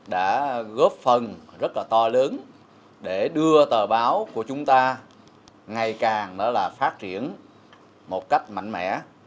đã góp phần rất là to lớn để đưa tờ báo của chúng ta ngày càng phát triển một cách mạnh mẽ